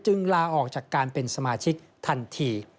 ลาออกจากการเป็นสมาชิกทันที